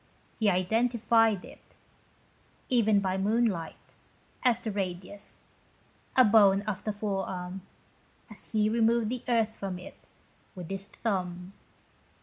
He identified it, even by moonlight, as the radius, a bone of the forearm, as he removed the earth from it, with his thumb.